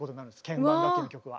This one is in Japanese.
鍵盤楽器の曲は。